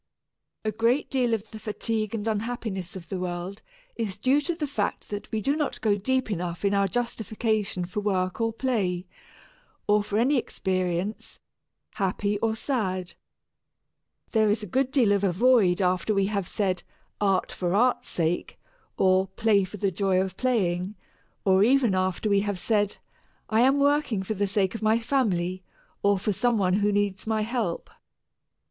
A great deal of the fatigue and unhappiness of the world is due to the fact that we do not go deep enough in our justification for work or play, or for any experience, happy or sad. There is a good deal of a void after we have said, "Art for art's sake," or "Play for the joy of playing," or even after we have said, "I am working for the sake of my family, or for some one who needs my help."